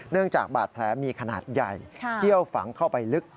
จากบาดแผลมีขนาดใหญ่เที่ยวฝังเข้าไปลึก